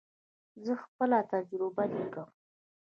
زه خپله تجربه لیکم.